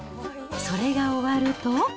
それが終わると。